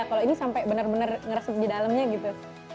kalau ini sampai benar benar ngeresep di dalamnya gitu